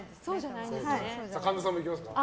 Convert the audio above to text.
神田さんもいきますか。